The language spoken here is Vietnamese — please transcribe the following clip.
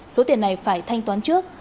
số tiền này phải thanh toán trước